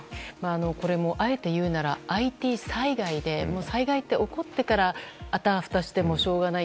あえていうならＩＴ災害で災害って起こってからあたふたしてもしょうがない。